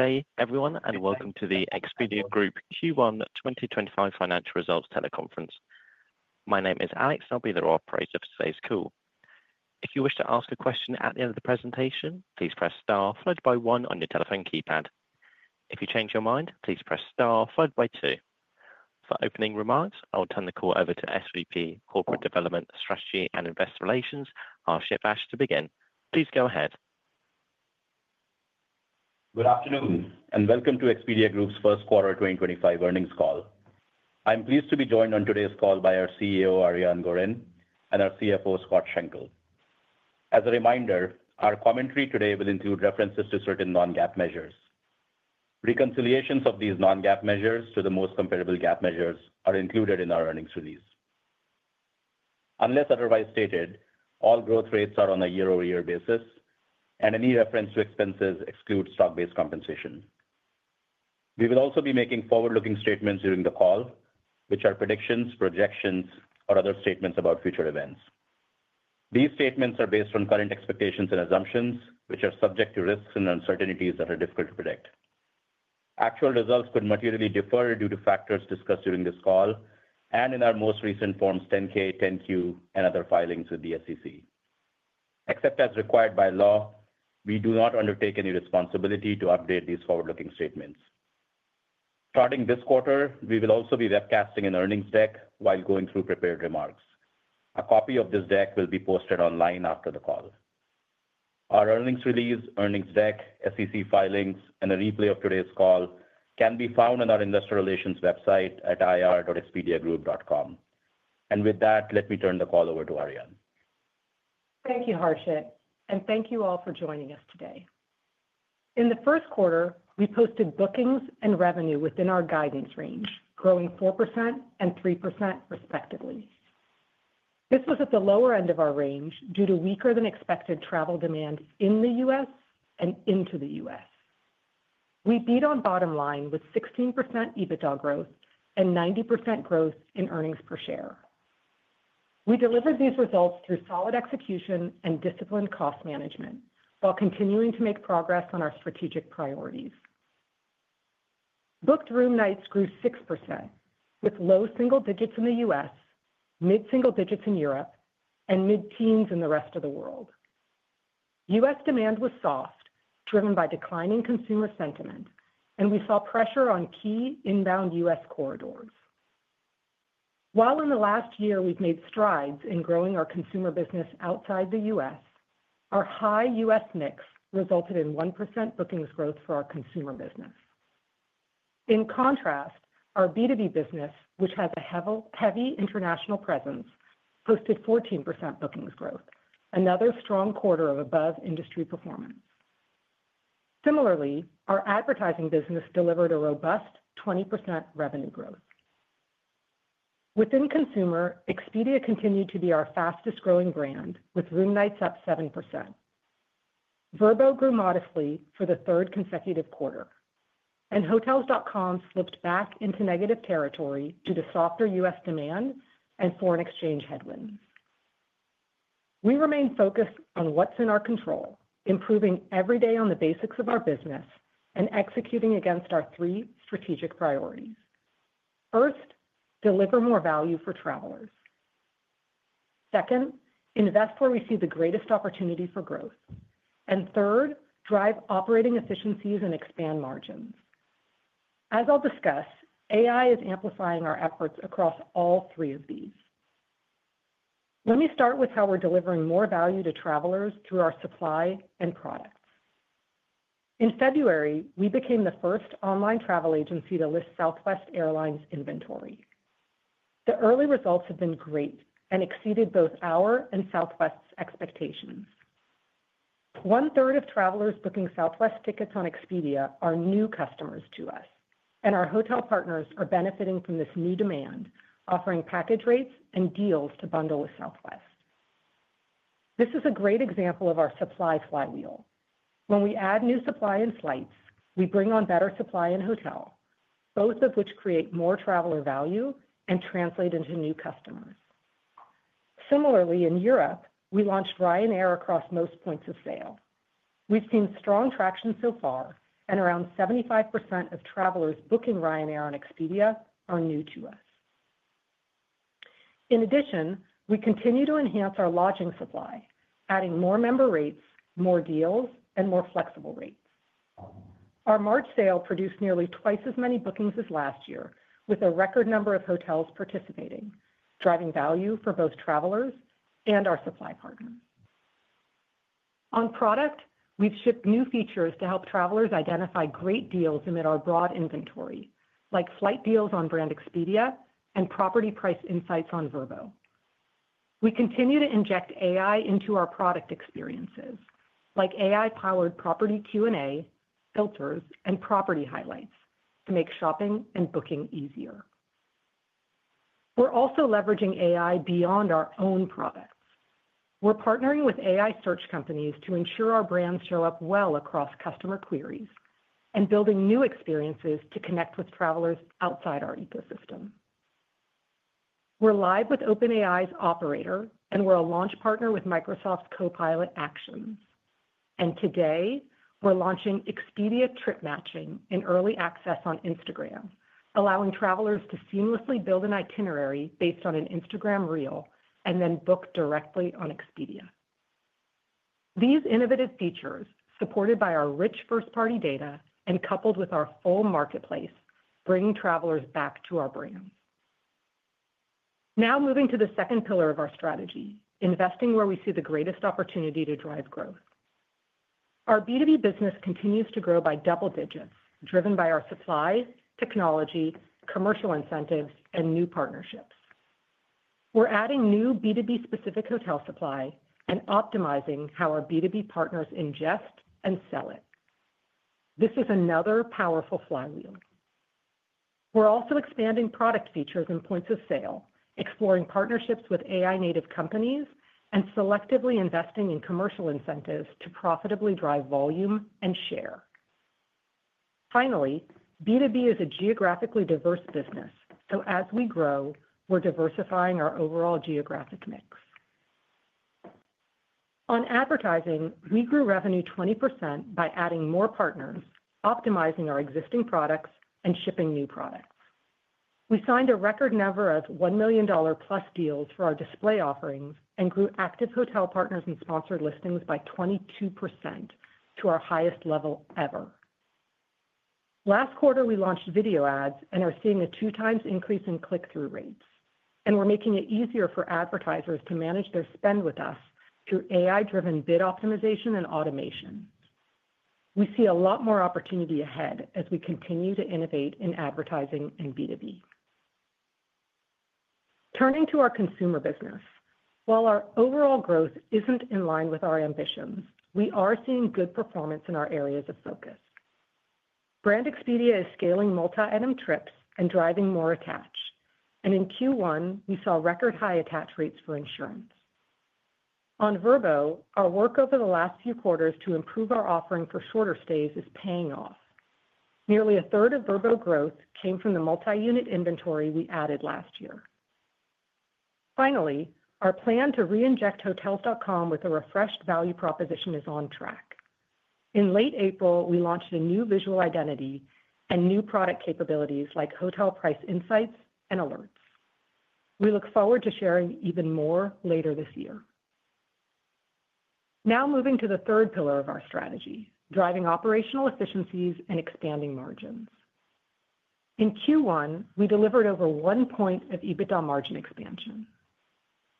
Good day, everyone, and welcome to the Expedia Group Q1 2025 financial results teleconference. My name is Alex, and I'll be the operator for today's call. If you wish to ask a question at the end of the presentation, please press star followed by one on your telephone keypad. If you change your mind, please press star followed by two. For opening remarks, I'll turn the call over to SVP, Corporate Development Strategy and Investor Relations, Harshit Vaish, to begin. Please go ahead. Good afternoon, and welcome to Expedia Group's first quarter 2025 earnings call. I'm pleased to be joined on today's call by our CEO, Ariane Gorin, and our CFO, Scott Schenkel. As a reminder, our commentary today will include references to certain non-GAAP measures. Reconciliations of these non-GAAP measures to the most comparable GAAP measures are included in our earnings release. Unless otherwise stated, all growth rates are on a year-over-year basis, and any reference to expenses excludes stock-based compensation. We will also be making forward-looking statements during the call, which are predictions, projections, or other statements about future events. These statements are based on current expectations and assumptions, which are subject to risks and uncertainties that are difficult to predict. Actual results could materially differ due to factors discussed during this call and in our most recent Forms 10-K, 10-Q, and other filings with the SEC. Except as required by law, we do not undertake any responsibility to update these forward-looking statements. Starting this quarter, we will also be webcasting an earnings deck while going through prepared remarks. A copy of this deck will be posted online after the call. Our earnings release, earnings deck, SEC filings, and a replay of today's call can be found on our investor relations website at ir.expediagroup.com, and with that, let me turn the call over to Ariane. Thank you, Harshit, and thank you all for joining us today. In the first quarter, we posted bookings and revenue within our guidance range, growing 4% and 3%, respectively. This was at the lower end of our range due to weaker-than-expected travel demand in the U.S. and into the U.S. We beat on bottom line with 16% EBITDA growth and 90% growth in earnings per share. We delivered these results through solid execution and disciplined cost management while continuing to make progress on our strategic priorities. Booked room nights grew 6%, with low single digits in the U.S., mid-single digits in Europe, and mid-teens in the rest of the world. U.S. demand was soft, driven by declining consumer sentiment, and we saw pressure on key inbound U.S. corridors. While in the last year we've made strides in growing our consumer business outside the U.S., our high U.S. mix resulted in 1% bookings growth for our consumer business. In contrast, our B2B business, which has a heavy international presence, posted 14% bookings growth, another strong quarter of above industry performance. Similarly, our advertising business delivered a robust 20% revenue growth. Within consumer, Expedia continued to be our fastest-growing brand, with room nights up 7%. Vrbo grew modestly for the third consecutive quarter, and Hotels.com slipped back into negative territory due to softer U.S. demand and foreign exchange headwinds. We remain focused on what's in our control, improving every day on the basics of our business and executing against our three strategic priorities. First, deliver more value for travelers. Second, invest where we see the greatest opportunity for growth. And third, drive operating efficiencies and expand margins. As I'll discuss, AI is amplifying our efforts across all three of these. Let me start with how we're delivering more value to travelers through our supply and products. In February, we became the first online travel agency to list Southwest Airlines inventory. The early results have been great and exceeded both our and Southwest's expectations. One-third of travelers booking Southwest tickets on Expedia are new customers to us, and our hotel partners are benefiting from this new demand, offering package rates and deals to bundle with Southwest. This is a great example of our supply flywheel. When we add new supply and flights, we bring on better supply and hotel, both of which create more traveler value and translate into new customers. Similarly, in Europe, we launched Ryanair across most points of sale. We've seen strong traction so far, and around 75% of travelers booking Ryanair on Expedia are new to us. In addition, we continue to enhance our lodging supply, adding more member rates, more deals, and more flexible rates. Our March sale produced nearly twice as many bookings as last year, with a record number of hotels participating, driving value for both travelers and our supply partners. On product, we've shipped new features to help travelers identify great deals amid our broad inventory, like flight deals on Brand Expedia and property price insights on Vrbo. We continue to inject AI into our product experiences, like AI-powered property Q&A, filters, and property highlights to make shopping and booking easier. We're also leveraging AI beyond our own products. We're partnering with AI search companies to ensure our brands show up well across customer queries and building new experiences to connect with travelers outside our ecosystem. We're live with OpenAI's Operator, and we're a launch partner with Microsoft's Copilot Actions, and today we're launching Expedia Trip Matching and early access on Instagram, allowing travelers to seamlessly build an itinerary based on an Instagram reel and then book directly on Expedia. These innovative features, supported by our rich first-party data and coupled with our full marketplace, bring travelers back to our brand. Now moving to the second pillar of our strategy: investing where we see the greatest opportunity to drive growth. Our B2B business continues to grow by double digits, driven by our supply, technology, commercial incentives, and new partnerships. We're adding new B2B-specific hotel supply and optimizing how our B2B partners ingest and sell it. This is another powerful flywheel. We're also expanding product features and points of sale, exploring partnerships with AI-native companies, and selectively investing in commercial incentives to profitably drive volume and share. Finally, B2B is a geographically diverse business, so as we grow, we're diversifying our overall geographic mix. On advertising, we grew revenue 20% by adding more partners, optimizing our existing products, and shipping new products. We signed a record number of $1 million-plus deals for our display offerings and grew active hotel partners and sponsored listings by 22% to our highest level ever. Last quarter, we launched video ads and are seeing a two-times increase in click-through rates, and we're making it easier for advertisers to manage their spend with us through AI-driven bid optimization and automation. We see a lot more opportunity ahead as we continue to innovate in advertising and B2B. Turning to our consumer business, while our overall growth isn't in line with our ambitions, we are seeing good performance in our areas of focus. Brand Expedia is scaling multi-item trips and driving more attach, and in Q1, we saw record-high attach rates for insurance. On Vrbo, our work over the last few quarters to improve our offering for shorter stays is paying off. Nearly a third of Vrbo's growth came from the multi-unit inventory we added last year. Finally, our plan to re-inject Hotels.com with a refreshed value proposition is on track. In late April, we launched a new visual identity and new product capabilities like hotel price insights and alerts. We look forward to sharing even more later this year. Now moving to the third pillar of our strategy: driving operational efficiencies and expanding margins. In Q1, we delivered over one point of EBITDA margin expansion.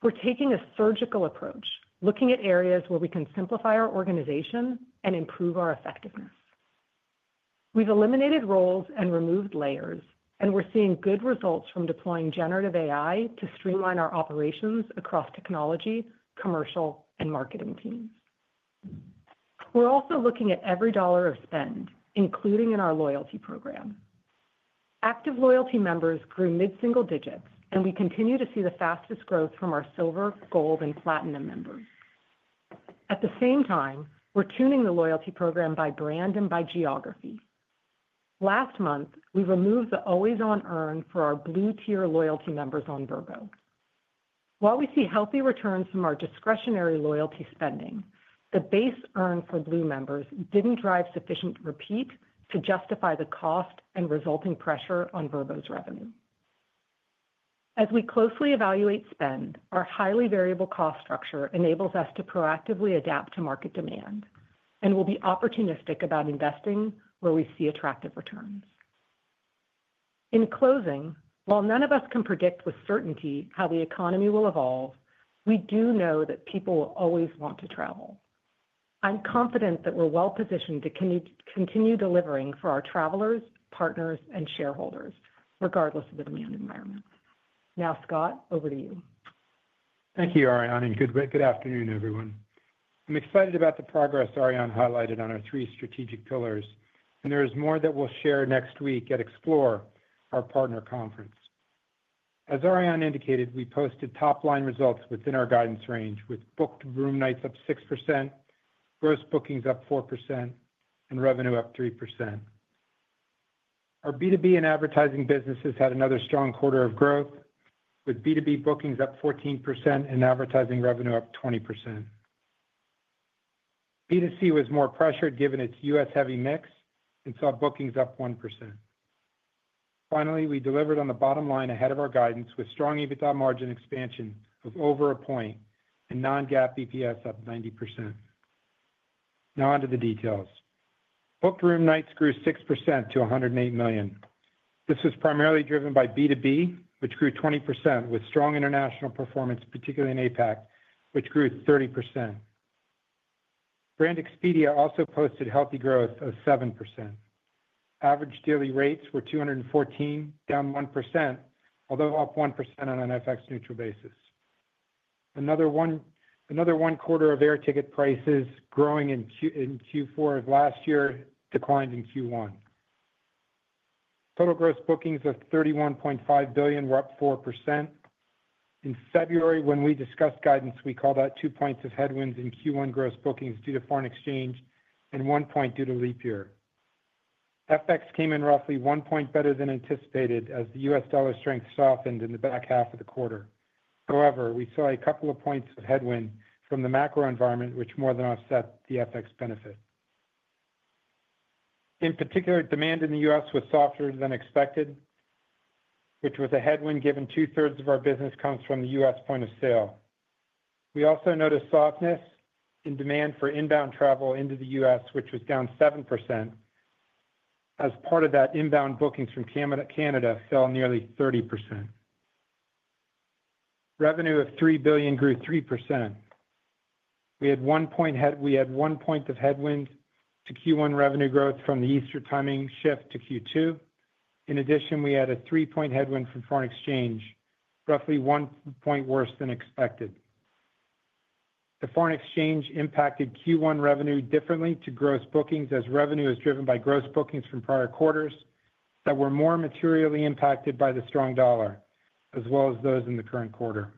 We're taking a surgical approach, looking at areas where we can simplify our organization and improve our effectiveness. We've eliminated roles and removed layers, and we're seeing good results from deploying generative AI to streamline our operations across technology, commercial, and marketing teams. We're also looking at every dollar of spend, including in our loyalty program. Active loyalty members grew mid-single digits, and we continue to see the fastest growth from our Silver, Gold, and Platinum members. At the same time, we're tuning the loyalty program by brand and by geography. Last month, we removed the always-on earn for our Blue-tier loyalty members on Vrbo. While we see healthy returns from our discretionary loyalty spending, the base earn for blue members didn't drive sufficient repeat to justify the cost and resulting pressure on Vrbo's revenue. As we closely evaluate spend, our highly variable cost structure enables us to proactively adapt to market demand and will be opportunistic about investing where we see attractive returns. In closing, while none of us can predict with certainty how the economy will evolve, we do know that people will always want to travel. I'm confident that we're well-positioned to continue delivering for our travelers, partners, and shareholders, regardless of the demand environment. Now, Scott, over to you. Thank you, Ariane, and good afternoon, everyone. I'm excited about the progress Ariane highlighted on our three strategic pillars, and there is more that we'll share next week at Explore, our partner conference. As Ariane indicated, we posted top-line results within our guidance range, with booked room nights up 6%, gross bookings up 4%, and revenue up 3%. Our B2B and advertising businesses had another strong quarter of growth, with B2B bookings up 14% and advertising revenue up 20%. B2C was more pressured given its US-heavy mix and saw bookings up 1%. Finally, we delivered on the bottom line ahead of our guidance, with strong EBITDA margin expansion of over a point and non-GAAP EPS up 90%. Now on to the details. Booked room nights grew 6% to 108 million. This was primarily driven by B2B, which grew 20%, with strong international performance, particularly in APAC, which grew 30%. Brand Expedia also posted healthy growth of 7%. Average daily rates were $214, down 1%, although up 1% on an FX-neutral basis. Another one-quarter of air ticket prices growing in Q4 of last year declined in Q1. Total gross bookings of $31.5 billion were up 4%. In February, when we discussed guidance, we called out two points f headwinds in Q1 gross bookings due to foreign exchange and one point due to leap year. FX came in roughly one point better than anticipated as the U.S. dollar strength softened in the back half of the quarter. However, we saw a couple of points of headwind from the macro environment, which more than offset the FX benefit. In particular, demand in the U.S. was softer than expected, which was a headwind given two-thirds of our business comes from the U.S. point of sale. We also noticed softness in demand for inbound travel into the U.S., which was down 7%, as part of that inbound bookings from Canada fell nearly 30%. Revenue of $3 billion grew 3%. We had one point of headwind to Q1 revenue growth from the Easter timing shift to Q2. In addition, we had a three-point headwind from foreign exchange, roughly one point worse than expected. The foreign exchange impacted Q1 revenue differently to gross bookings, as revenue is driven by gross bookings from prior quarters that were more materially impacted by the strong dollar, as well as those in the current quarter.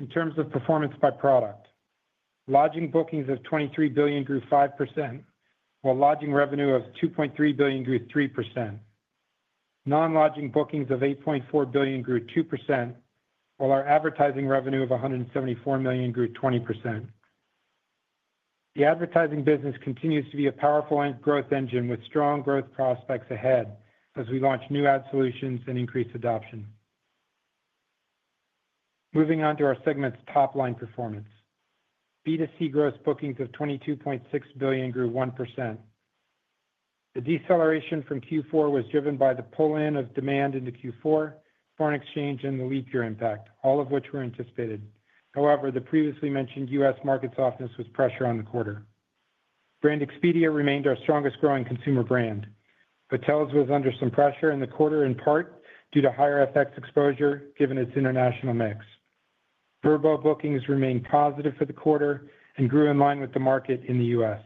In terms of performance by product, lodging bookings of $23 billion grew 5%, while lodging revenue of $2.3 billion grew 3%. Non-lodging bookings of $8.4 billion grew 2%, while our advertising revenue of $174 million grew 20%. The advertising business continues to be a powerful growth engine with strong growth prospects ahead as we launch new ad solutions and increase adoption. Moving on to our segment's top-line performance, B2C gross bookings of $22.6 billion grew 1%. The deceleration from Q4 was driven by the pull-in of demand into Q4, foreign exchange, and the leap year impact, all of which were anticipated. However, the previously mentioned U.S. market softness was pressure on the quarter. Brand Expedia remained our strongest growing consumer brand. Hotels.com was under some pressure in the quarter, in part due to higher FX exposure given its international mix. Vrbo bookings remained positive for the quarter and grew in line with the market in the U.S.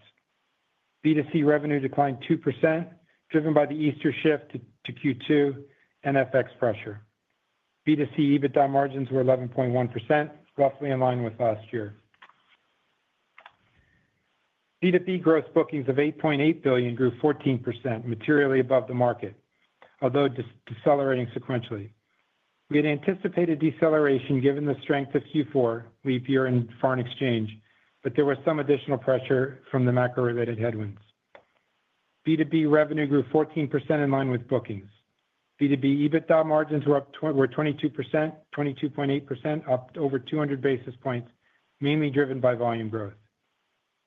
B2C revenue declined 2%, driven by the Easter shift to Q2 and FX pressure. B2C EBITDA margins were 11.1%, roughly in line with last year. B2B gross bookings of $8.8 billion grew 14%, materially above the market, although decelerating sequentially. We had anticipated deceleration given the strength of Q4, leap year, and foreign exchange, but there was some additional pressure from the macro-related headwinds. B2B revenue grew 14% in line with bookings. B2B EBITDA margins were 22%, 22.8%, up over 200 basis points, mainly driven by volume growth.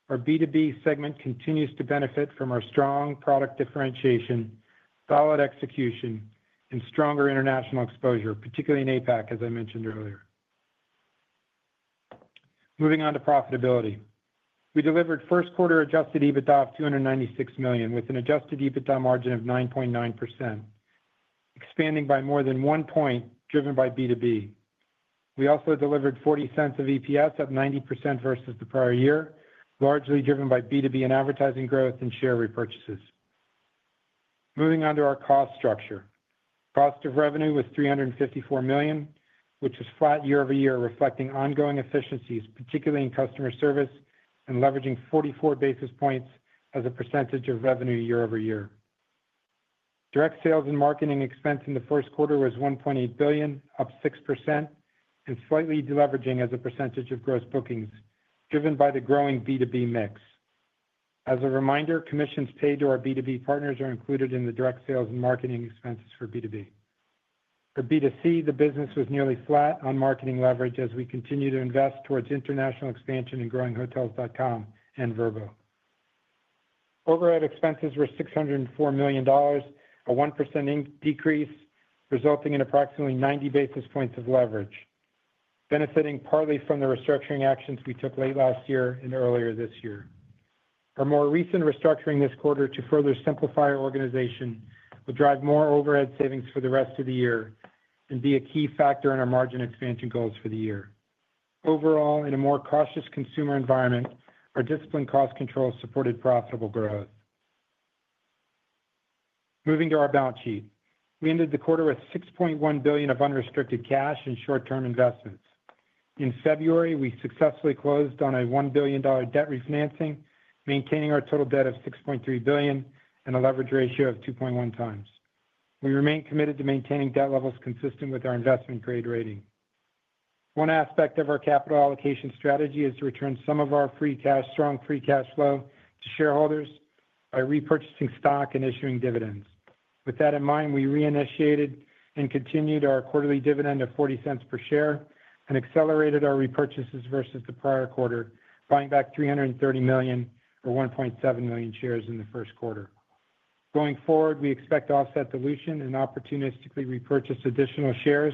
Our B2B segment continues to benefit from our strong product differentiation, solid execution, and stronger international exposure, particularly in APAC, as I mentioned earlier. Moving on to profitability, we delivered first-quarter adjusted EBITDA of $296 million, with an adjusted EBITDA margin of 9.9%, expanding by more than one point, driven by B2B. We also delivered $0.40 of EPS at 90% versus the prior year, largely driven by B2B and advertising growth and share repurchases. Moving on to our cost structure. Cost of revenue was $354 million, which was flat year-over-year, reflecting ongoing efficiencies, particularly in customer service and leveraging 44 basis points as a percentage of revenue year-over-year. Direct sales and marketing expense in the first quarter was $1.8 billion, up 6%, and slightly deleveraging as a percentage of gross bookings, driven by the growing B2B mix. As a reminder, commissions paid to our B2B partners are included in the direct sales and marketing expenses for B2B. For B2C, the business was nearly flat on marketing leverage as we continue to invest towards international expansion and growing Hotels.com and Vrbo. Overhead expenses were $604 million, a 1% decrease, resulting in approximately 90 basis points of leverage, benefiting partly from the restructuring actions we took late last year and earlier this year. Our more recent restructuring this quarter to further simplify our organization will drive more overhead savings for the rest of the year and be a key factor in our margin expansion goals for the year. Overall, in a more cautious consumer environment, our disciplined cost control supported profitable growth. Moving to our balance sheet, we ended the quarter with $6.1 billion of unrestricted cash and short-term investments. In February, we successfully closed on a $1 billion debt refinancing, maintaining our total debt of $6.3 billion and a leverage ratio of 2.1 times. We remain committed to maintaining debt levels consistent with our investment-grade rating. One aspect of our capital allocation strategy is to return some of our strong free cash flow to shareholders by repurchasing stock and issuing dividends. With that in mind, we reinitiated and continued our quarterly dividend of $0.40 per share and accelerated our repurchases versus the prior quarter, buying back $330 million, or 1.7 million, shares in the first quarter. Going forward, we expect offset dilution and opportunistically repurchase additional shares,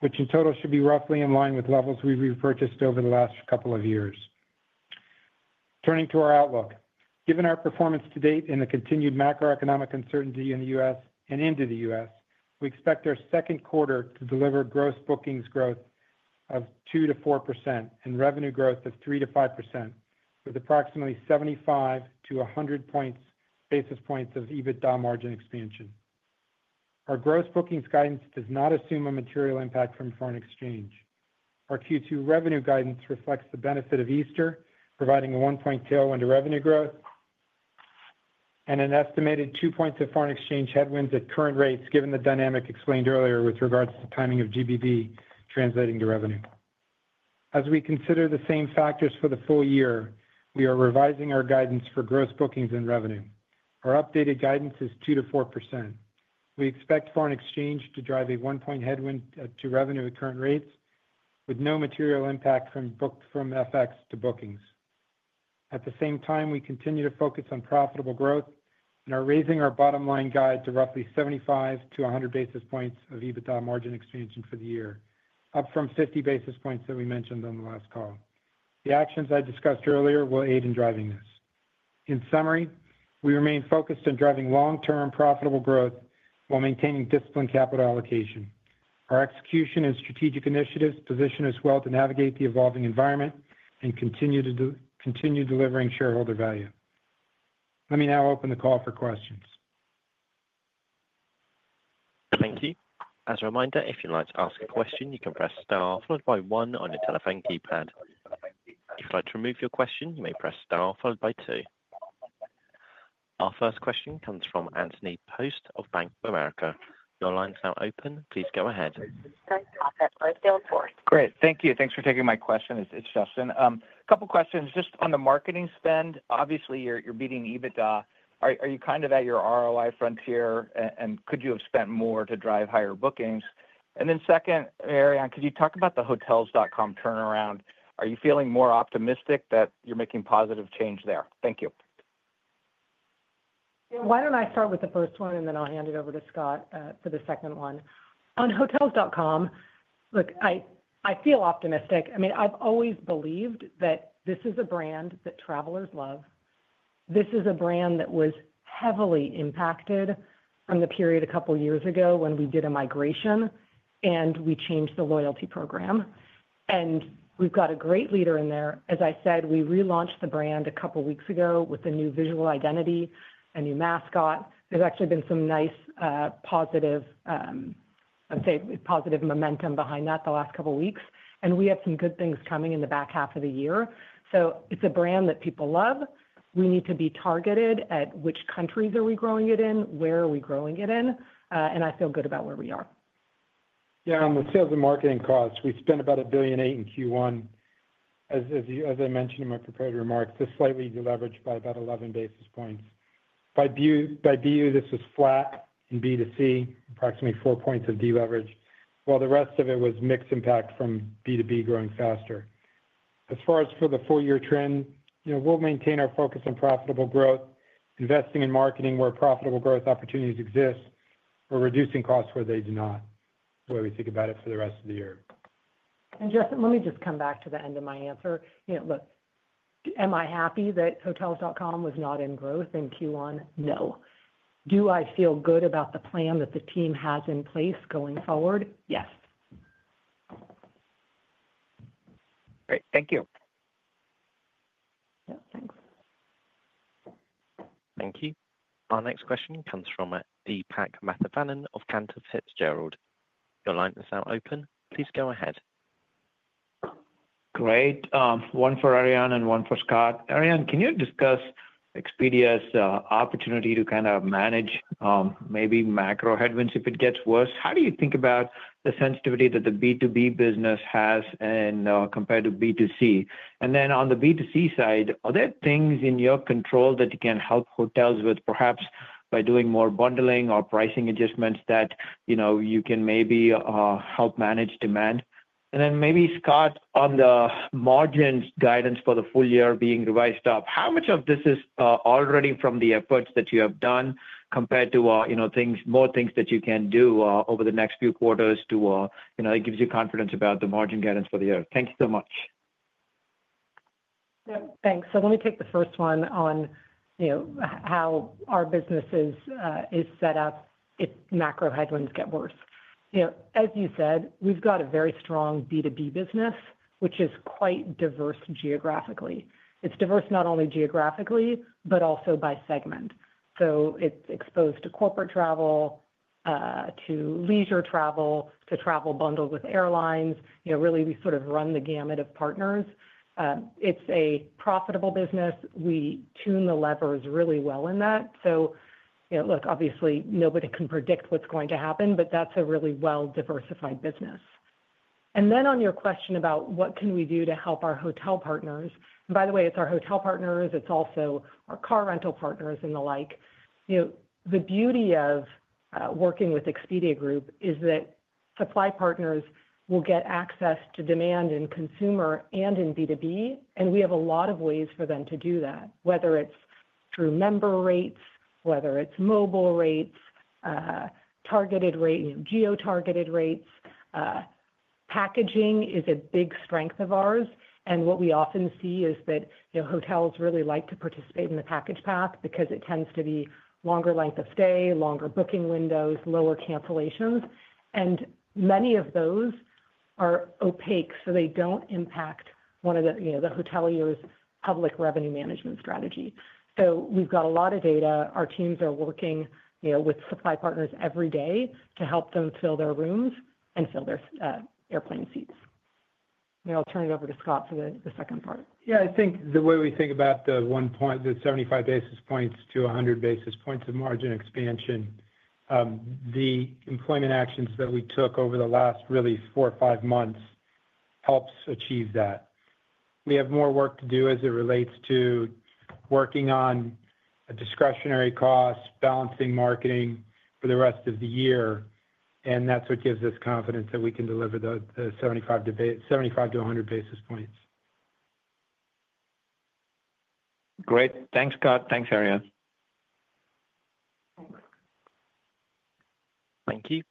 which in total should be roughly in line with levels we repurchased over the last couple of years. Turning to our outlook, given our performance to date and the continued macroeconomic uncertainty in the U.S. and into the U.S., we expect our second quarter to deliver gross bookings growth of 2%-4% and revenue growth of 3%-5%, with approximately 75-100 basis points of EBITDA margin expansion. Our gross bookings guidance does not assume a material impact from foreign exchange. Our Q2 revenue guidance reflects the benefit of Easter, providing a one-point tailwind to revenue growth and an estimated two points of foreign exchange headwinds at current rates, given the dynamic explained earlier with regards to timing of GBV translating to revenue. As we consider the same factors for the full year, we are revising our guidance for gross bookings and revenue. Our updated guidance is 2%-4%. We expect foreign exchange to drive a one-point headwind to revenue at current rates, with no material impact from FX to bookings. At the same time, we continue to focus on profitable growth and are raising our bottom line guide to roughly 75-100 basis points of EBITDA margin expansion for the year, up from 50 basis points that we mentioned on the last call. The actions I discussed earlier will aid in driving this. In summary, we remain focused on driving long-term profitable growth while maintaining disciplined capital allocation. Our execution and strategic initiatives position us well to navigate the evolving environment and continue delivering shareholder value. Let me now open the call for questions. Thank you. As a reminder, if you'd like to ask a question, you can press star followed by one on your telephone keypad. If you'd like to remove your question, you may press star followed by two. Our first question comes from Justin Post of Bank of America. Your line's now open. Please go ahead. Thank you. Thank you. Thanks for taking my question, Justin. A couple of questions. Just on the marketing spend, obviously, you're beating EBITDA. Are you kind of at your ROI frontier, and could you have spent more to drive higher bookings? And then second, Ariane, could you talk about the Hotels.com turnaround? Are you feeling more optimistic that you're making positive change there? Thank you. Why don't I start with the first one, and then I'll hand it over to Scott for the second one? On Hotels.com, look, I feel optimistic. I mean, I've always believed that this is a brand that travelers love. This is a brand that was heavily impacted from the period a couple of years ago when we did a migration and we changed the loyalty program. And we've got a great leader in there. As I said, we relaunched the brand a couple of weeks ago with a new visual identity, a new mascot. There's actually been some nice positive, I'd say, positive momentum behind that the last couple of weeks. And we have some good things coming in the back half of the year. So it's a brand that people love. We need to be targeted at which countries are we growing it in, where are we growing it in, and I feel good about where we are. Yeah. On the sales and marketing costs, we spent about $1.8 billion in Q1. As I mentioned in my prepared remarks, this slightly deleveraged by about 11 basis points. By BU, this was flat in B2C, approximately four points of deleverage, while the rest of it was mixed impact from B2B growing faster. As far as for the four-year trend, we'll maintain our focus on profitable growth, investing in marketing where profitable growth opportunities exist, or reducing costs where they do not, the way we think about it for the rest of the year. And Justin, let me just come back to the end of my answer. Look, am I happy that Hotels.com was not in growth in Q1? No. Do I feel good about the plan that the team has in place going forward? Yes. Great. Thank you. Thanks. Thank you. Our next question comes from Deepak Mathivanan of Cantor Fitzgerald. Your line is now open. Please go ahead. Great. One for Ariane and one for Scott. Ariane, can you discuss Expedia's opportunity to kind of manage maybe macro headwinds if it gets worse? How do you think about the sensitivity that the B2B business has compared to B2C? And then on the B2C side, are there things in your control that you can help hotels with, perhaps by doing more bundling or pricing adjustments that you can maybe help manage demand? And then maybe Scott on the margins guidance for the full year being revised up. How much of this is already from the efforts that you have done compared to more things that you can do over the next few quarters to give you confidence about the margin guidance for the year? Thank you so much. Thanks, so let me take the first one on how our business is set up if macro headwinds get worse. As you said, we've got a very strong B2B business, which is quite diverse geographically. It's diverse not only geographically, but also by segment. So it's exposed to corporate travel, to leisure travel, to travel bundled with airlines. Really, we sort of run the gamut of partners. It's a profitable business. We tune the levers really well in that. So look, obviously, nobody can predict what's going to happen, but that's a really well-diversified business. And then, on your question about what we can do to help our hotel partners, and by the way, it's our hotel partners, it's also our car rental partners and the like, the beauty of working with Expedia Group is that supply partners will get access to demand in consumer and in B2B, and we have a lot of ways for them to do that, whether it's through member rates, whether it's mobile rates, targeted rates, geo-targeted rates. Packaging is a big strength of ours. And what we often see is that hotels really like to participate in the package path because it tends to be longer length of stay, longer booking windows, lower cancellations. And many of those are opaque, so they don't impact one of the hoteliers' public revenue management strategy. So we've got a lot of data. Our teams are working with supply partners every day to help them fill their rooms and fill their airplane seats. I'll turn it over to Scott for the second part. Yeah. I think the way we think about the one point, the 75-100 basis points of margin expansion, the employment actions that we took over the last really four or five months helps achieve that. We have more work to do as it relates to working on discretionary costs, balancing marketing for the rest of the year. And that's what gives us confidence that we can deliver the 75-100 basis points. Great. Thanks, Scott. Thanks, Ariane. Thanks. Thank you.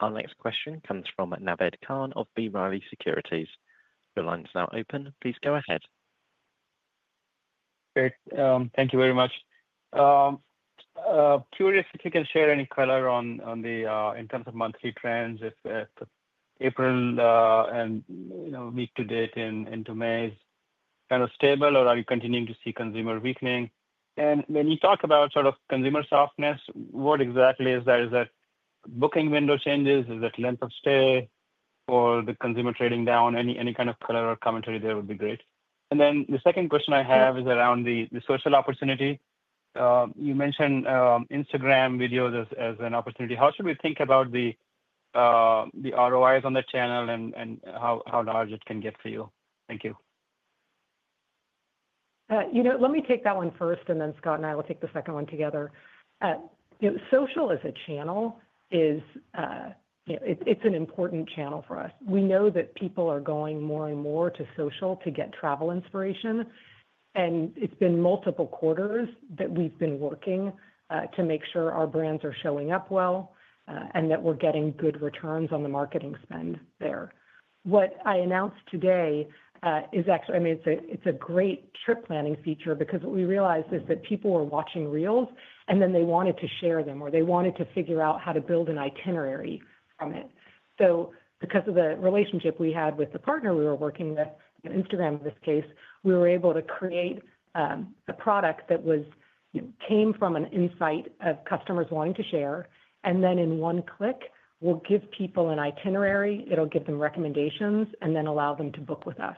Our next question comes from Naved Khan of B. Riley Securities. Your line's now open. Please go ahead. Great. Thank you very much. Curious if you can share any color on the in terms of monthly trends, April and week-to-date into May is kind of stable, or are you continuing to see consumer weakening? And when you talk about sort of consumer softness, what exactly is that? Is that booking window changes? Is that length of stay or the consumer trading down? Any kind of color or commentary there would be great. And then the second question I have is around the social opportunity. You mentioned Instagram videos as an opportunity. How should we think about the ROIs on the channel and how large it can get for you? Thank you. Let me take that one first, and then Scott and I will take the second one together. Social as a channel is an important channel for us. We know that people are going more and more to social to get travel inspiration. And it's been multiple quarters that we've been working to make sure our brands are showing up well and that we're getting good returns on the marketing spend there. What I announced today is actually I mean, it's a great trip planning feature because what we realized is that people were watching reels, and then they wanted to share them, or they wanted to figure out how to build an itinerary from it. So because of the relationship we had with the partner we were working with, Instagram in this case, we were able to create a product that came from an insight of customers wanting to share. And then in one click, we'll give people an itinerary. It'll give them recommendations and then allow them to book with us.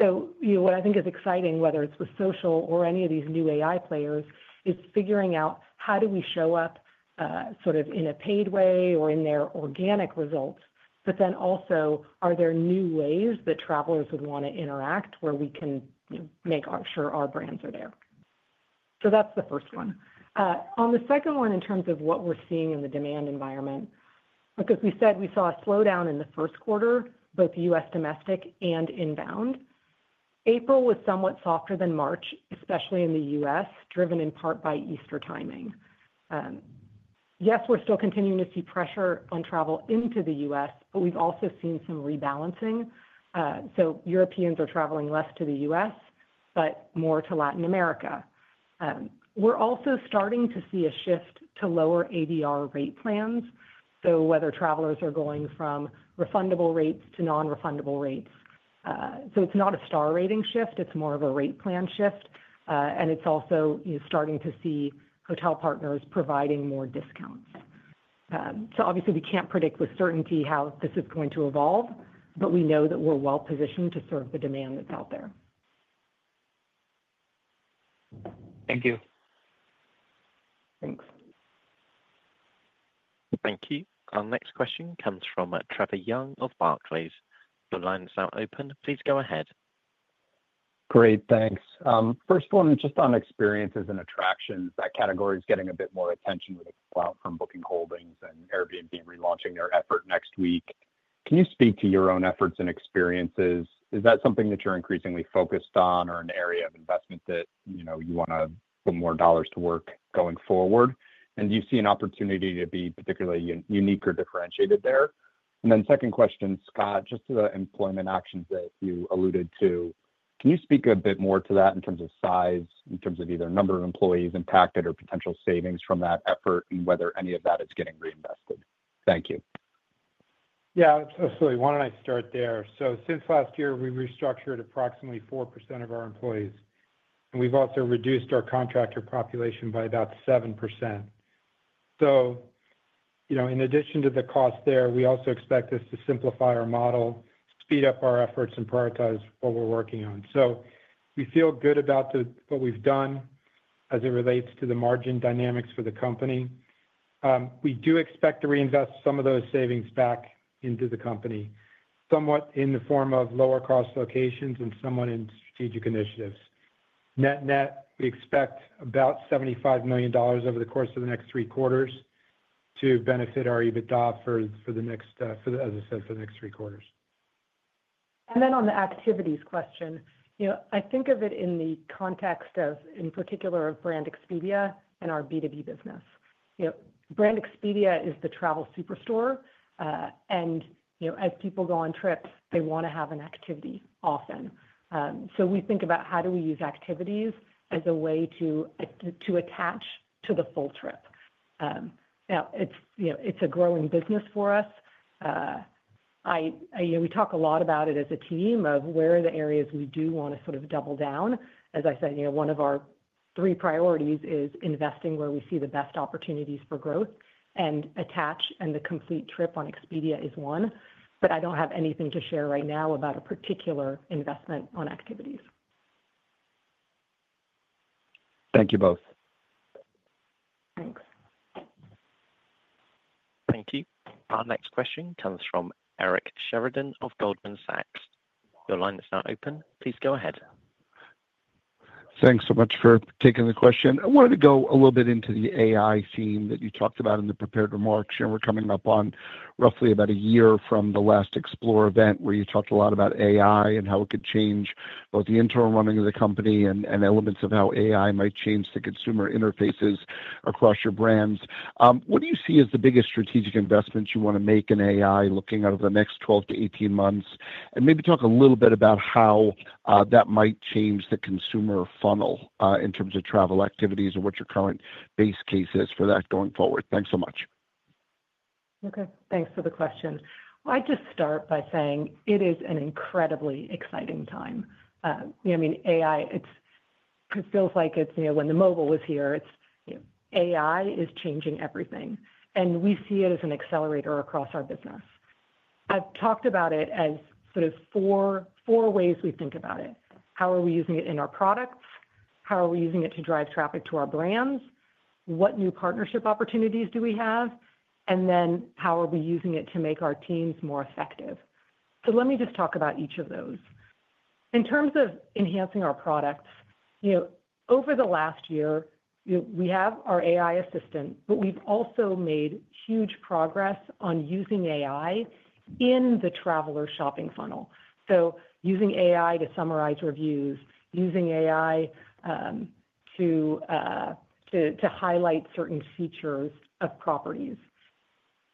So what I think is exciting, whether it's with social or any of these new AI players, is figuring out how do we show up sort of in a paid way or in their organic results, but then also, are there new ways that travelers would want to interact where we can make sure our brands are there? So that's the first one. On the second one, in terms of what we're seeing in the demand environment, because we said we saw a slowdown in the first quarter, both U.S. domestic and inbound. April was somewhat softer than March, especially in the U.S., driven in part by Easter timing. Yes, we're still continuing to see pressure on travel into the U.S., but we've also seen some rebalancing, so Europeans are traveling less to the U.S., but more to Latin America. We're also starting to see a shift to lower ADR rate plans, so whether travelers are going from refundable rates to non-refundable rates, it's not a star rating shift. It's more of a rate plan shift, and it's also starting to see hotel partners providing more discounts. So obviously, we can't predict with certainty how this is going to evolve, but we know that we're well-positioned to serve the demand that's out there. Thank you. Thanks. Thank you. Our next question comes from Trevor Young of Barclays. Your line's now open. Please go ahead. Great. Thanks. First one, just on experiences and attractions. That category is getting a bit more attention with a split from Booking Holdings and Airbnb relaunching their effort next week. Can you speak to your own efforts and experiences? Is that something that you're increasingly focused on or an area of investment that you want to put more dollars to work going forward? And do you see an opportunity to be particularly unique or differentiated there? And then second question, Scott, just to the employment actions that you alluded to, can you speak a bit more to that in terms of size, in terms of either number of employees impacted or potential savings from that effort, and whether any of that is getting reinvested? Thank you. Yeah. So why don't I start there? So since last year, we restructured approximately 4% of our employees. And we've also reduced our contractor population by about 7%. So in addition to the cost there, we also expect this to simplify our model, speed up our efforts, and prioritize what we're working on. So we feel good about what we've done as it relates to the margin dynamics for the company. We do expect to reinvest some of those savings back into the company, somewhat in the form of lower-cost locations and somewhat in strategic initiatives. Net net, we expect about $75 million over the course of the next three quarters to benefit our EBITDA for the next, as I said, for the next three quarters. And then on the activities question, I think of it in the context of, in particular, of Brand Expedia and our B2B business. Brand Expedia is the travel superstore. And as people go on trips, they want to have an activity often. So we think about how do we use activities as a way to attach to the full trip. Now, it's a growing business for us. We talk a lot about it as a team of where are the areas we do want to sort of double down. As I said, one of our three priorities is investing where we see the best opportunities for growth, and attach and the complete trip on Expedia is one. But I don't have anything to share right now about a particular investment on activities. Thank you both. Thanks. Thank you. Our next question comes from Eric Sheridan of Goldman Sachs. Your line is now open. Please go ahead. Thanks so much for taking the question. I wanted to go a little bit into the AI theme that you talked about in the prepared remarks. We're coming up on roughly about a year from the last Explore event where you talked a lot about AI and how it could change both the internal running of the company and elements of how AI might change the consumer interfaces across your brands. What do you see as the biggest strategic investments you want to make in AI looking out of the next 12-18 months? And maybe talk a little bit about how that might change the consumer funnel in terms of travel activities or what your current base case is for that going forward. Thanks so much. Okay. Thanks for the question. I'd just start by saying it is an incredibly exciting time. I mean, AI, it feels like it's when the mobile was here, AI is changing everything. And we see it as an accelerator across our business. I've talked about it as sort of four ways we think about it. How are we using it in our products? How are we using it to drive traffic to our brands? What new partnership opportunities do we have? And then how are we using it to make our teams more effective? So let me just talk about each of those. In terms of enhancing our products, over the last year, we have our AI assistant, but we've also made huge progress on using AI in the traveler shopping funnel. So using AI to summarize reviews, using AI to highlight certain features of properties.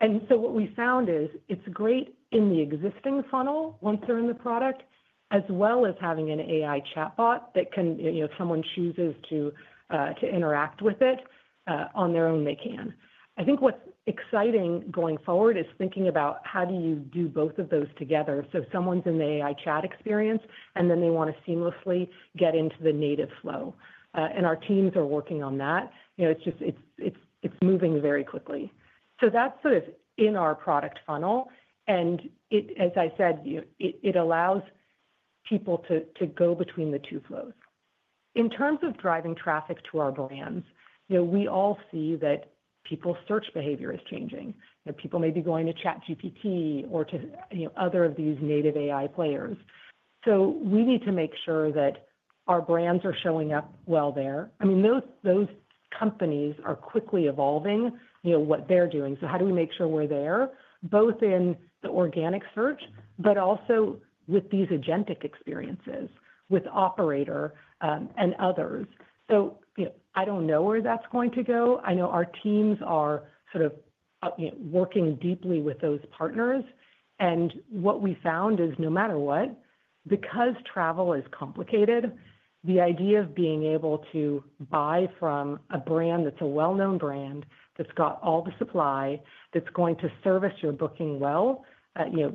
And so what we found is it's great in the existing funnel once they're in the product, as well as having an AI chatbot that can, if someone chooses to interact with it on their own, they can. I think what's exciting going forward is thinking about how do you do both of those together. So someone's in the AI chat experience, and then they want to seamlessly get into the native flow. And our teams are working on that. It's moving very quickly. So that's sort of in our product funnel. And as I said, it allows people to go between the two flows. In terms of driving traffic to our brands, we all see that people's search behavior is changing. People may be going to ChatGPT or to other of these native AI players. So we need to make sure that our brands are showing up well there. I mean, those companies are quickly evolving what they're doing. So how do we make sure we're there, both in the organic search, but also with these agentic experiences with Operator and others? So I don't know where that's going to go. I know our teams are sort of working deeply with those partners. And what we found is no matter what, because travel is complicated, the idea of being able to buy from a brand that's a well-known brand that's got all the supply that's going to service your booking well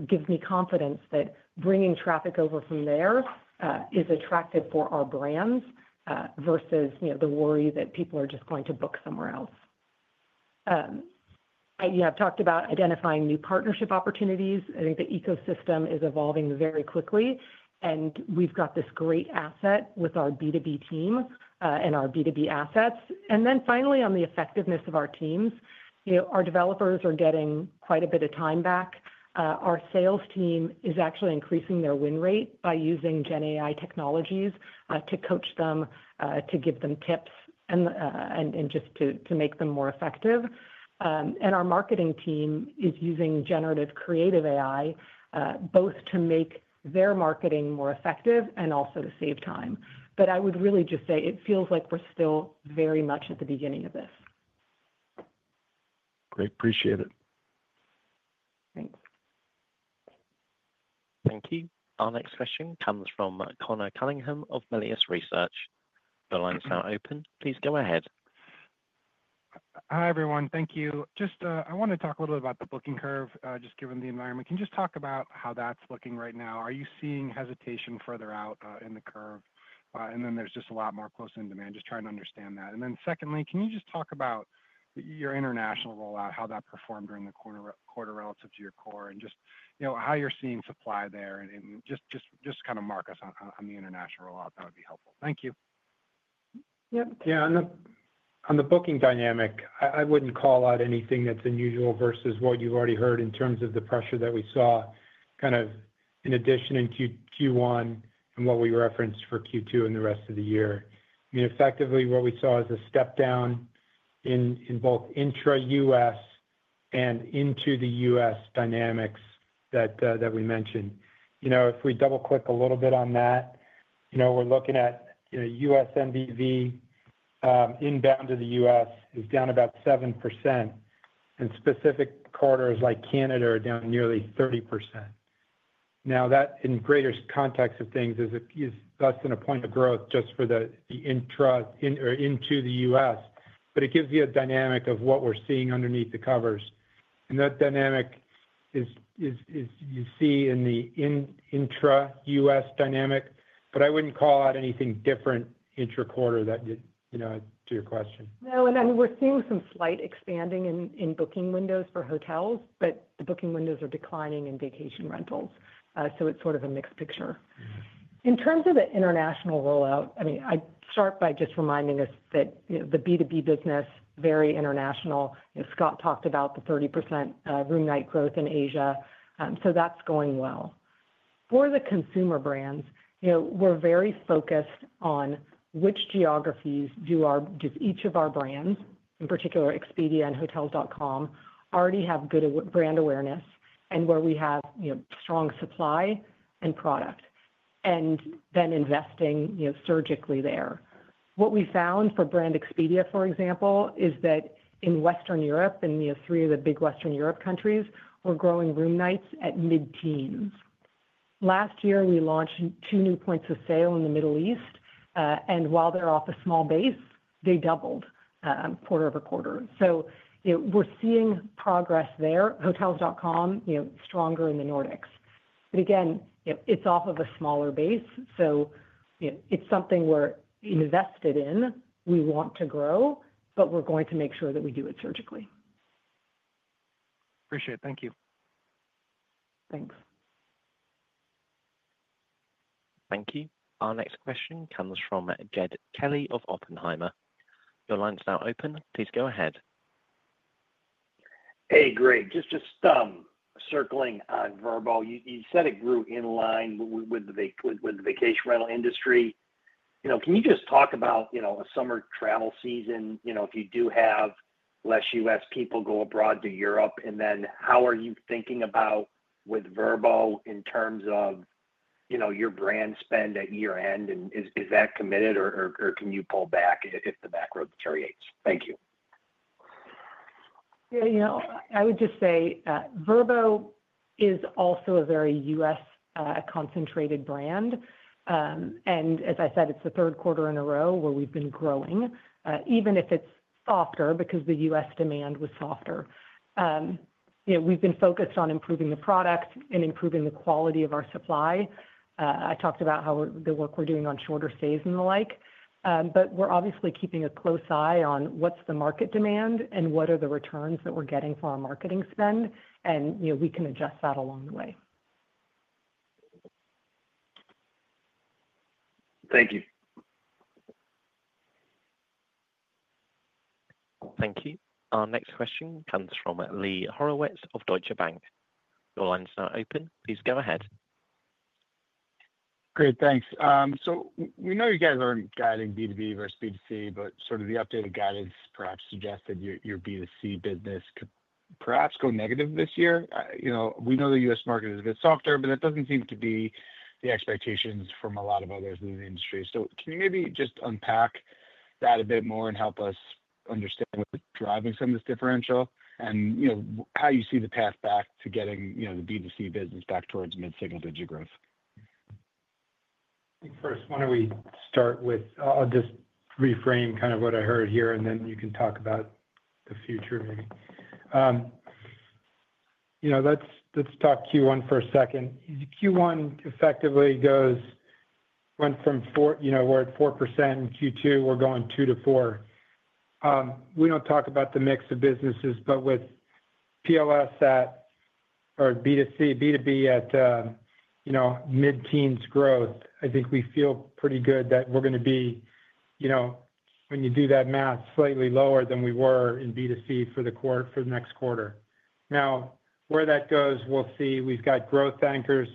gives me confidence that bringing traffic over from there is attractive for our brands versus the worry that people are just going to book somewhere else. I've talked about identifying new partnership opportunities. I think the ecosystem is evolving very quickly. And we've got this great asset with our B2B team and our B2B assets. And then finally, on the effectiveness of our teams, our developers are getting quite a bit of time back. Our sales team is actually increasing their win rate by using GenAI technologies to coach them, to give them tips, and just to make them more effective. And our marketing team is using generative creative AI both to make their marketing more effective and also to save time. But I would really just say it feels like we're still very much at the beginning of this. Great. Appreciate it. Thanks. Thank you. Our next question comes from Conor Cunningham of Melius Research. Your line's now open. Please go ahead. Hi, everyone. Thank you. Just, I want to talk a little bit about the booking curve, just given the environment. Can you just talk about how that's looking right now? Are you seeing hesitation further out in the curve? And then there's just a lot more close in demand. Just trying to understand that. And then secondly, can you just talk about your international rollout, how that performed during the quarter relative to your core, and just how you're seeing supply there? And just kind of mark us on the international rollout. That would be helpful. Thank you. Yep. Yeah. On the booking dynamic, I wouldn't call out anything that's unusual versus what you've already heard in terms of the pressure that we saw kind of in addition in Q1 and what we referenced for Q2 and the rest of the year. I mean, effectively, what we saw is a step down in both intra-U.S. and into the U.S. dynamics that we mentioned. If we double-click a little bit on that, we're looking at U.S. GBV inbound to the U.S. is down about 7%. And specific countries like Canada are down nearly 30%. Now, that in greater context of things is less than a point of growth just for the intra or into the U.S. But it gives you a dynamic of what we're seeing underneath the covers. That dynamic is you see in the intra-U.S. dynamic. But I wouldn't call out anything different intra-quarter to your question. No. And I mean, we're seeing some slight expanding in booking windows for hotels, but the booking windows are declining in vacation rentals. So it's sort of a mixed picture. In terms of the international rollout, I mean, I'd start by just reminding us that the B2B business is very international. Scott talked about the 30% room night growth in Asia. So that's going well. For the consumer brands, we're very focused on which geographies do each of our brands, in particular, Expedia and Hotels.com, already have good brand awareness and where we have strong supply and product, and then investing surgically there. What we found for Brand Expedia, for example, is that in Western Europe and three of the big Western Europe countries, we're growing room nights at mid-teens. Last year, we launched two new points of sale in the Middle East. While they're off a small base, they doubled quarter over quarter. So we're seeing progress there. Hotels.com, stronger in the Nordics. But again, it's off of a smaller base. So it's something we're invested in. We want to grow, but we're going to make sure that we do it surgically. Appreciate it. Thank you. Thanks. Thank you. Our next question comes from Jed Kelly of Oppenheimer. Your line's now open. Please go ahead. Hey, Greg. Just circling on Vrbo, you said it grew in line with the vacation rental industry. Can you just talk about a summer travel season if you do have less U.S. people go abroad to Europe? And then how are you thinking about with Vrbo in terms of your brand spend at year-end? And is that committed, or can you pull back if the macro deteriorates? Thank you. Yeah. I would just say Vrbo is also a very U.S.-concentrated brand. And as I said, it's the third quarter in a row where we've been growing, even if it's softer because the U.S. demand was softer. We've been focused on improving the product and improving the quality of our supply. I talked about the work we're doing on shorter stays and the like. But we're obviously keeping a close eye on what's the market demand and what are the returns that we're getting for our marketing spend. And we can adjust that along the way. Thank you. Thank you. Our next question comes from Lee Horowitz of Deutsche Bank. Your line's now open. Please go ahead. Great. Thanks. So we know you guys are guiding B2B versus B2C, but sort of the updated guidance perhaps suggested your B2C business could perhaps go negative this year. We know the U.S. market is a bit softer, but that doesn't seem to be the expectations from a lot of others in the industry. So can you maybe just unpack that a bit more and help us understand what's driving some of this differential and how you see the path back to getting the B2C business back towards mid-single-digit growth? First, why don't we start with? I'll just reframe kind of what I heard here, and then you can talk about the future, maybe. Let's talk Q1 for a second. Q1 effectively went from. We're at 4% in Q2. We're going 2%-4%. We don't talk about the mix of businesses, but with our B2B at mid-teens growth, I think we feel pretty good that we're going to be, when you do that math, slightly lower than we were in B2C for the next quarter. Now, where that goes, we'll see. We've got growth anchors,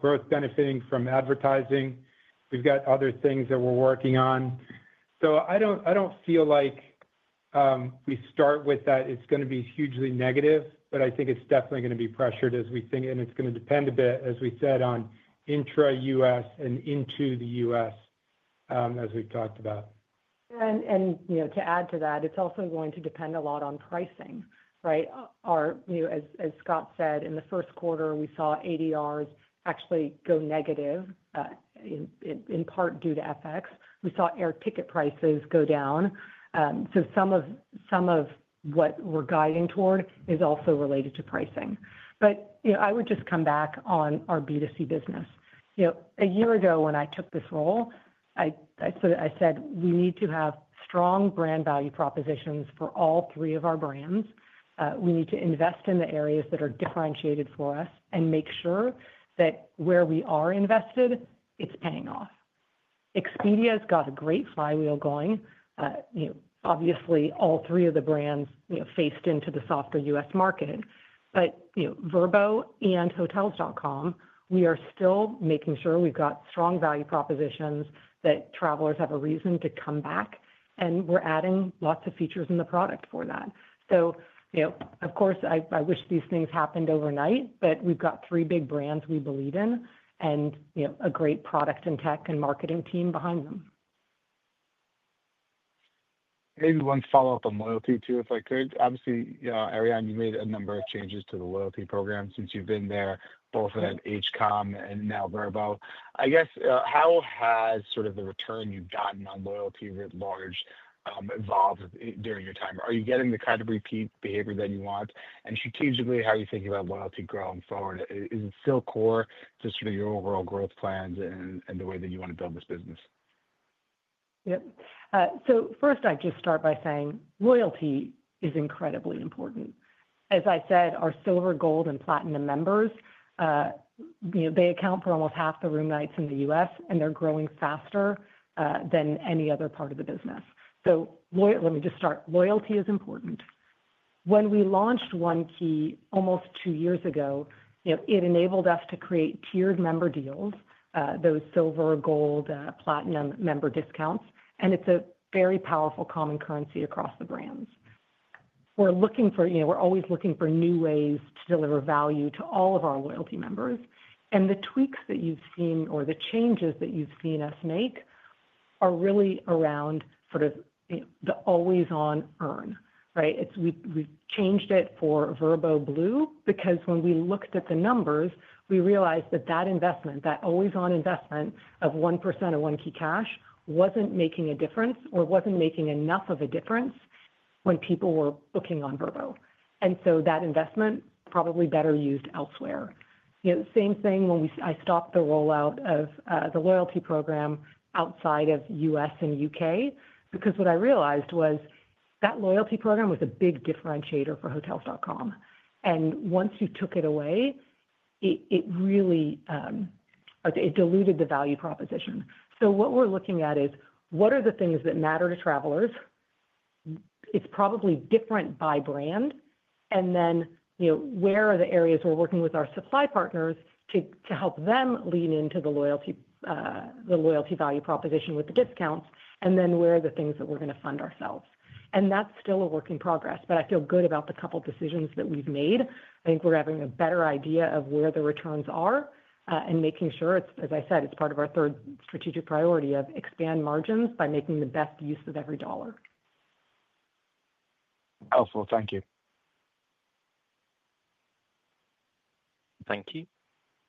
growth benefiting from advertising. We've got other things that we're working on, so I don't feel like we start with that. It's going to be hugely negative, but I think it's definitely going to be pressured as we think. It's going to depend a bit, as we said, on intra-U.S. and into the U.S., as we've talked about. And to add to that, it's also going to depend a lot on pricing, right? As Scott said, in the first quarter, we saw ADRs actually go negative in part due to FX. We saw air ticket prices go down. So some of what we're guiding toward is also related to pricing. But I would just come back on our B2C business. A year ago, when I took this role, I said, "We need to have strong brand value propositions for all three of our brands. We need to invest in the areas that are differentiated for us and make sure that where we are invested, it's paying off." Expedia has got a great flywheel going. Obviously, all three of the brands faced into the softer U.S. market. But Vrbo and Hotels.com, we are still making sure we've got strong value propositions that travelers have a reason to come back. We're adding lots of features in the product for that. Of course, I wish these things happened overnight, but we've got three big brands we believe in and a great product and tech and marketing team behind them. Maybe one follow-up on loyalty too, if I could. Obviously, Ariane, you made a number of changes to the loyalty program since you've been there, both at HCOM and now Vrbo. I guess, how has sort of the return you've gotten on loyalty writ large evolved during your time? Are you getting the kind of repeat behavior that you want? And strategically, how are you thinking about loyalty going forward? Is it still core to sort of your overall growth plans and the way that you want to build this business? Yep. So first, I'd just start by saying loyalty is incredibly important. As I said, our Silver, Gold, and Platinum members, they account for almost half the room nights in the US, and they're growing faster than any other part of the business. So let me just start. Loyalty is important. When we launched One Key almost two years ago, it enabled us to create tiered member deals, those Silver, Gold, Platinum member discounts. And it's a very powerful common currency across the brands. We're always looking for new ways to deliver value to all of our loyalty members. And the tweaks that you've seen or the changes that you've seen us make are really around sort of the always-on earn, right? We've changed it for Vrbo Blue because when we looked at the numbers, we realized that that investment, that always-on investment of 1% of One Key Cash, wasn't making a difference or wasn't making enough of a difference when people were booking on Vrbo. And so that investment probably better used elsewhere. Same thing when I stopped the rollout of the loyalty program outside of U.S. and U.K. because what I realized was that loyalty program was a big differentiator for Hotels.com. And once you took it away, it diluted the value proposition. So what we're looking at is what are the things that matter to travelers? It's probably different by brand. And then where are the areas we're working with our supply partners to help them lean into the loyalty value proposition with the discounts? And then where are the things that we're going to fund ourselves? And that's still a work in progress. But I feel good about the couple of decisions that we've made. I think we're having a better idea of where the returns are and making sure it's, as I said, it's part of our third strategic priority of expand margins by making the best use of every dollar. Helpful. Thank you. Thank you.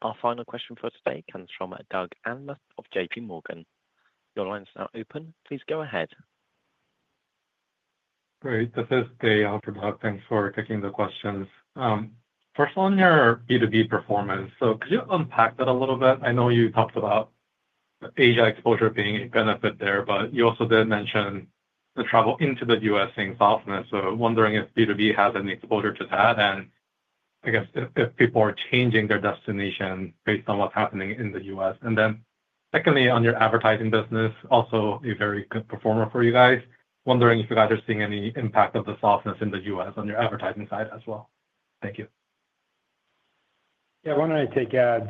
Our final question for today comes from Doug Anmuth of JPMorgan. Your line's now open. Please go ahead. Great. This is Day Offerberg. Thanks for taking the questions. First, on your B2B performance, so could you unpack that a little bit? I know you talked about Asia exposure being a benefit there, but you also did mention the travel into the US seeing softness. So wondering if B2B has any exposure to that and, I guess, if people are changing their destination based on what's happening in the US. And then secondly, on your advertising business, also a very good performer for you guys. Wondering if you guys are seeing any impact of the softness in the US on your advertising side as well. Thank you. Yeah. Why don't I take ads?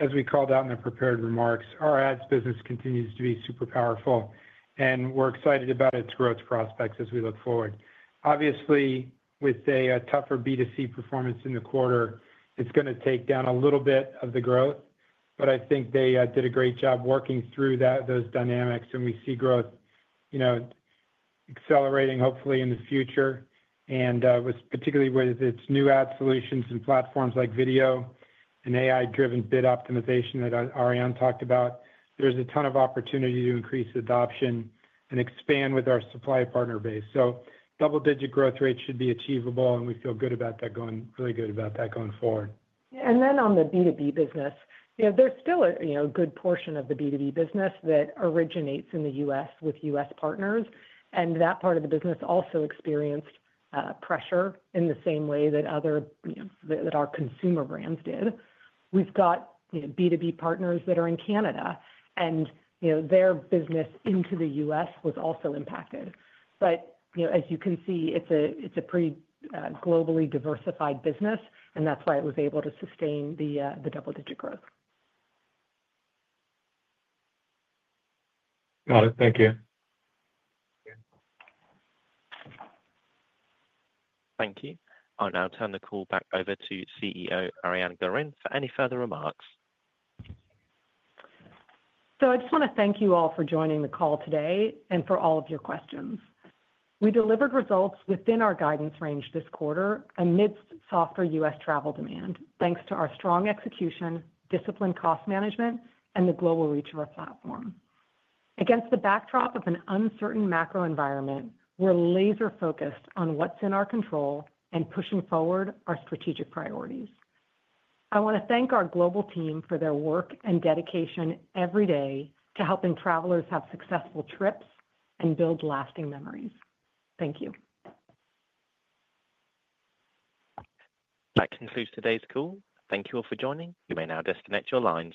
As we called out in the prepared remarks, our ads business continues to be super powerful, and we're excited about its growth prospects as we look forward. Obviously, with a tougher B2C performance in the quarter, it's going to take down a little bit of the growth. But I think they did a great job working through those dynamics, and we see growth accelerating, hopefully, in the future. And particularly with its new ad solutions and platforms like video and AI-driven bid optimization that Ariane talked about, there's a ton of opportunity to increase adoption and expand with our supply partner base. So double-digit growth rates should be achievable, and we feel good about that, really good about that going forward. Yeah. And then on the B2B business, there's still a good portion of the B2B business that originates in the U.S. with U.S. partners. And that part of the business also experienced pressure in the same way that our consumer brands did. We've got B2B partners that are in Canada, and their business into the U.S. was also impacted. But as you can see, it's a pretty globally diversified business, and that's why it was able to sustain the double-digit growth. Got it. Thank you. Thank you. I'll now turn the call back over to CEO Ariane Gorin for any further remarks. So I just want to thank you all for joining the call today and for all of your questions. We delivered results within our guidance range this quarter amidst softer U.S. travel demand, thanks to our strong execution, disciplined cost management, and the global reach of our platform. Against the backdrop of an uncertain macro environment, we're laser-focused on what's in our control and pushing forward our strategic priorities. I want to thank our global team for their work and dedication every day to helping travelers have successful trips and build lasting memories. Thank you. That concludes today's call. Thank you all for joining. You may now disconnect your lines.